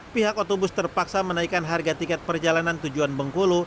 pihak otobus terpaksa menaikkan harga tiket perjalanan tujuan bengkulu